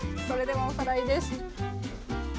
それではおさらいです。